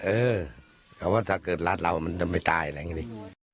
เออแต่ว่าถ้าเกิดรัดเรามันจะไม่ตายอะไรอย่างนี้